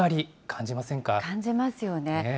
感じますよね。